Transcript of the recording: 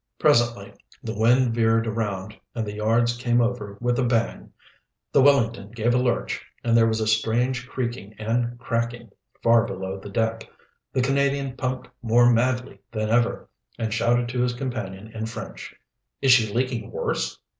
Presently the wind veered around and the yards came over with a bang. The Wellington gave a lurch, and there was a strange creaking and cracking far below the deck. The Canadian pumped more madly than ever, and shouted to his companion in French. "Is she leaking worse?"